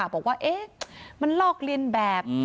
บอกว่ามันลอกเลียนแบบ